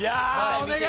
お願い！